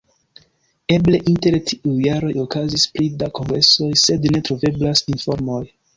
Eble inter tiuj jaroj okazis pli da kongresoj, sed ne troveblas informoj.